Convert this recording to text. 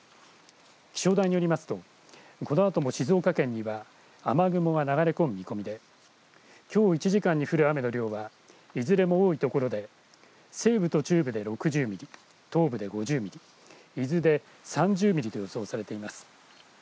気象台によりますとこのあとも静岡県には雨雲が流れ込む見込みできょう１時間に降る雨の量はいずれも多い所で西部と中部で６０ミリ東部で５０ミリ伊豆で３０ミリと予想されています。